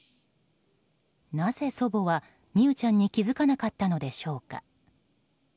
なぜ祖母は美佑ちゃんに気づかなかったのでしょうか。